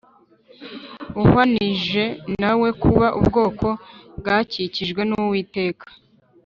uhwanije nawe kuba ubwoko bwakijijwe n uwiteka